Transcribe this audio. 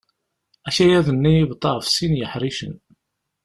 Akayad-nni yebḍa ɣef sin n yiḥricen.